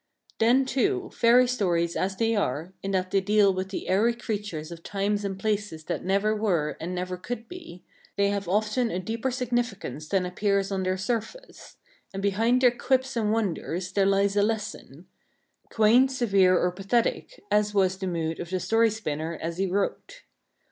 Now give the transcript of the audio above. T he n y too , fairy stories as they are , in that they deal with the airy creatures of Times and Places that never were and never could be y they have often a deeper significance than appears on their surface ; and behind their quips and wonders there lies a lesson ,— quaint , severe , or pathetic , as was the mood of the story spinner as he wrote